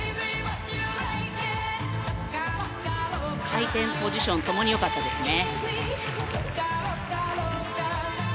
回転、ポジションともに良かったですね。